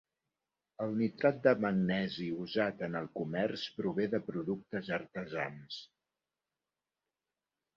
El nitrat de magnesi usat en el comerç prové de productes artesans.